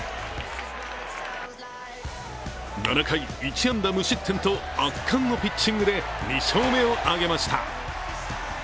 ７回１安打無失点と圧巻のピッチングで２勝目を挙げました。